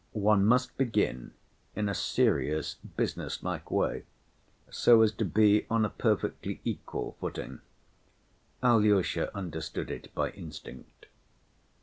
One must begin in a serious, businesslike way so as to be on a perfectly equal footing. Alyosha understood it by instinct.